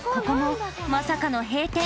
ここもまさかの閉店